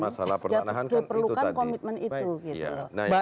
masalah pertahanan itu tadi